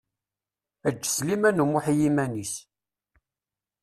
Eǧǧ Sliman U Muḥ i yiman-is.